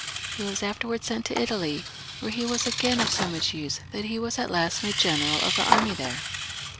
He was afterwards sent to Italy, where he was again of so much use that he was at last made general of the army there.